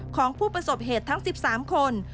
ของผู้ประสบเหตุทั้ง๑๓คน